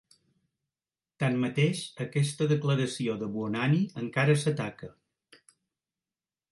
Tanmateix, aquesta declaració de Buonanni encara s'ataca.